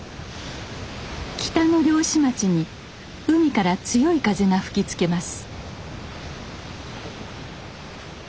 北の漁師町に海から強い風が吹きつけます。